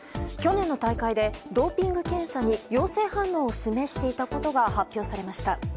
去年の大会でドーピング検査に陽性反応を示していたことが発表されました。